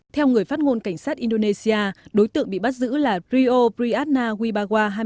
theo người phát ngôn cảnh sát indonesia đối tượng bị bắt giữ là prio priyadna wibawa